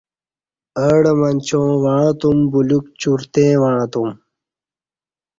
اہ ڈہ منچاں وعݩہ تُم بلیوک چرتیں وعݩہ تُم